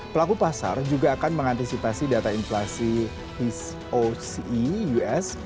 pelaku pasar juga akan mengantisipasi data inflasi hecus